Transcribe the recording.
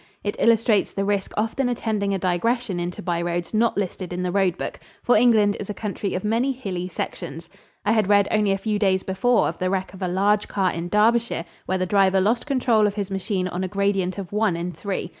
It illustrates the risk often attending a digression into byroads not listed in the road book, for England is a country of many hilly sections. I had read only a few days before of the wreck of a large car in Derbyshire where the driver lost control of his machine on a gradient of one in three.